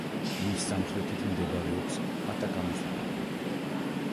მის სამხრეთით მდებარეობს ატაკამის უდაბნო.